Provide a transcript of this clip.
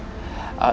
oke makasih dok